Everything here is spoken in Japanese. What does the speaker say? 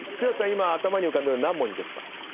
今頭に浮かんでるの何文字ですか？